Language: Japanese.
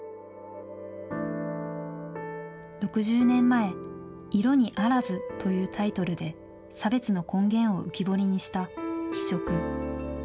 ６０年前、色に非ずというタイトルで、差別の根源を浮き彫りにした非色。